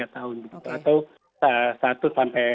satu tiga tahun atau